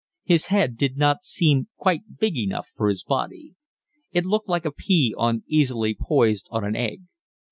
His head did not seem quite big enough for his body. It looked like a pea uneasily poised on an egg.